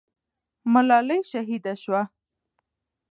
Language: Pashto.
ملالۍ شهیده سوه.